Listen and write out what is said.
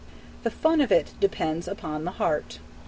The fun of it depends upon the heart.